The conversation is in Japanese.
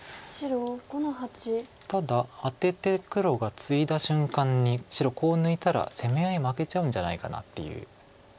ただアテて黒がツイだ瞬間に白コウ抜いたら攻め合い負けちゃうんじゃないかなっていう。